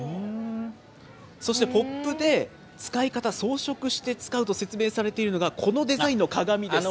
そして、ポップで使い方、装飾して使うと説明されているのが、このデザインの鏡です。